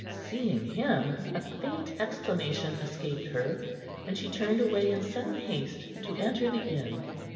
Seeing him, a faint exclamation escaped her, and she turned away in sudden haste to enter the inn.